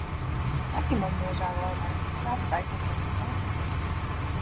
Saki man, nožēlojamais, kā tu taisies mani uzveikt?